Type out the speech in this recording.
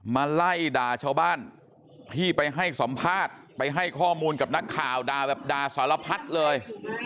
มาไล่ด่าชาวบ้านที่ไปให้สัมภาษณ์ไปให้ข้อมูลกับนักข่าวด่าแบบด่าสารพัดเลย